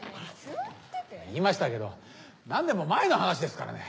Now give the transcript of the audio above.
言いましたけど何年も前の話ですからね。